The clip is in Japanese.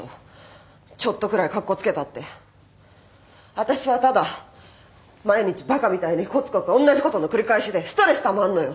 私はただ毎日バカみたいにコツコツおんなじことの繰り返しでストレスたまんのよ。